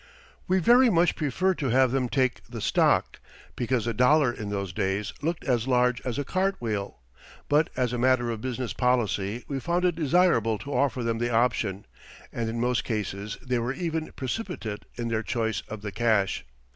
We very much preferred to have them take the stock, because a dollar in those days looked as large as a cart wheel, but as a matter of business policy we found it desirable to offer them the option, and in most cases they were even precipitate in their choice of the cash.